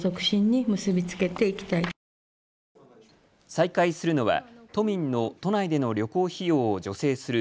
再開するのは都民の都内での旅行費用を助成する